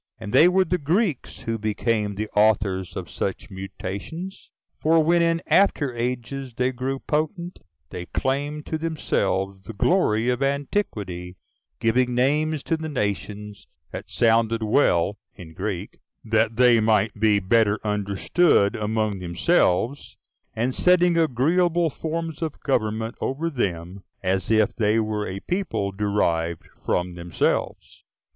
And they were the Greeks who became the authors of such mutations. For when in after ages they grew potent, they claimed to themselves the glory of antiquity; giving names to the nations that sounded well [in Greek] that they might be better understood among themselves; and setting agreeable forms of government over them, as if they were a people derived from themselves.